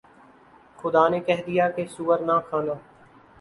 خدا نے کہہ دیا کہ سؤر نہ کھانا